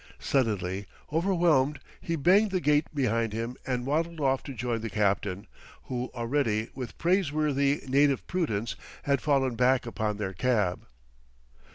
Suddenly, overwhelmed, he banged the gate behind him and waddled off to join the captain; who already, with praiseworthy native prudence, had fallen back upon their cab.